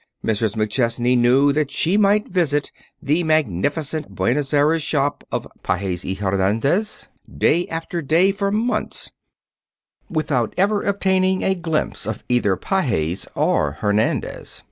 Mrs. McChesney knew that she might visit the magnificent Buenos Aires shop of Pages y Hernandez day after day for months without ever obtaining a glimpse of either Pages or Hernandez.